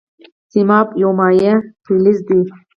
سیماب یو مایع فلز دی.